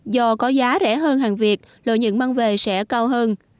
do có giá rẻ hơn hàng việt lợi nhận mang về sẽ cao hơn